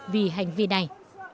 vì hành vi này